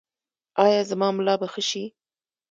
ایا زما ملا به ښه شي؟